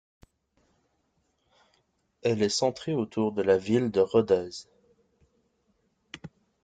Elle est centrée autour de la ville de Rodez.